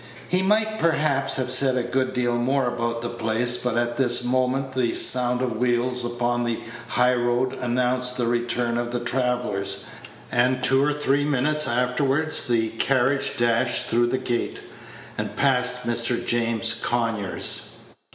He might, perhaps, have said a good deal more about the place, but at this moment the sound of wheels upon the high road announced the return of the travellers, and two or three minutes afterward the carriage dashed through the gate, and past Mr. James Conyers.